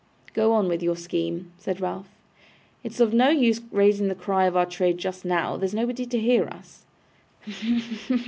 'Go on with your scheme,' said Ralph. 'It's of no use raising the cry of our trade just now; there's nobody to hear us!